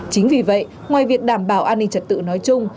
chính vì vậy ngoài việc đảm bảo an ninh trật tự nói chung